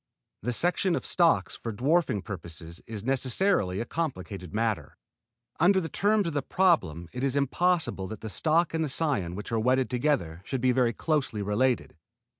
The selection of stocks for dwarfing purposes is necessarily a complicated matter. Under the terms of the problem it is impossible that the stock and the cion which are wedded together should be very closely related.